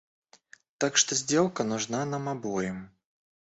Так что сделка нужна нам обоим.